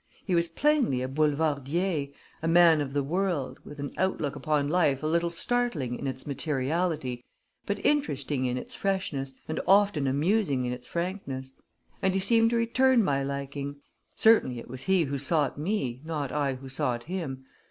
He was plainly a boulevardier, a man of the world, with an outlook upon life a little startling in its materiality, but interesting in its freshness, and often amusing in its frankness. And he seemed to return my liking certainly it was he who sought me, not I who sought him.